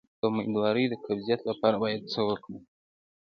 د امیدوارۍ د قبضیت لپاره باید څه وکړم؟